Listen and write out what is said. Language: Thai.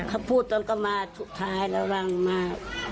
เขาพูดตอนก็มาสุดท้ายระวังมา